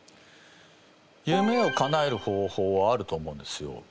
夢をかなえる方法はあると思うんですよ。